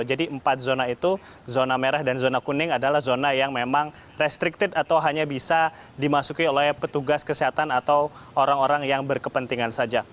jadi empat zona itu zona merah dan zona kuning adalah zona yang memang restricted atau hanya bisa dimasuki oleh petugas kesehatan atau orang orang yang berkepentingan saja